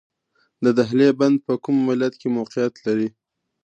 د دهلې بند په کوم ولایت کې موقعیت لري؟